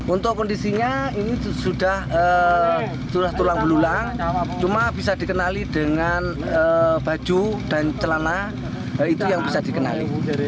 untuk kondisinya ini sudah tulang belulang cuma bisa dikenali dengan baju dan celana itu yang bisa dikenali